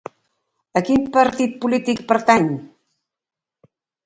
A quin partit polític pertany?